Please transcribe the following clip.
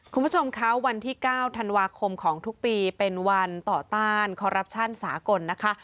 คุณผู้ชมคะวันที่๙ธันวาคมของทุกปีเป็นวันต่อต้านคอรัปชั่นสากลนะคะ